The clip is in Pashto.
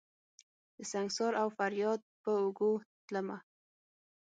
دسنګسار اودفریاد په اوږو تلمه